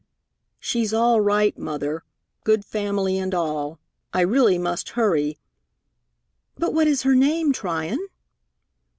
"She's all right, Mother good family and all. I really must hurry " "But what is her name, Tryon?"